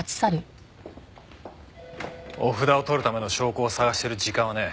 お札を取るための証拠を捜してる時間はねえ。